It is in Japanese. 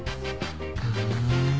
ふん。